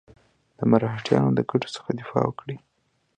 د مرهټیانو د ګټو څخه دفاع وکړي.